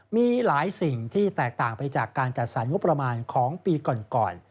มีหลายสิ่งที่แตกต่างไปจากการจัดสรรงบประมาณของปีก่อน